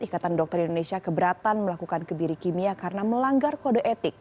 ikatan dokter indonesia keberatan melakukan kebiri kimia karena melanggar kode etik